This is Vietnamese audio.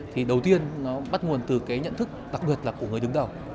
thì đầu tiên nó bắt nguồn từ cái nhận thức đặc biệt là của người đứng đầu